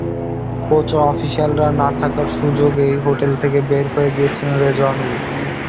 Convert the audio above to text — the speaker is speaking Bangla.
কোচ ও অফিশিয়ালরা না থাকার সুযোগেই হোটেল থেকে বের হয়ে গিয়েছিলেন রেজওয়ানুল।